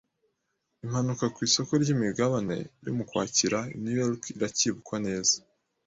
Impanuka ku isoko ryimigabane yo mu Kwakira i New York iracyibukwa neza